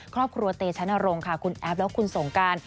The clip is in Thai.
ครอบครัวเตชะนรงค์ค่ะคุณแอฟและคุณสงการ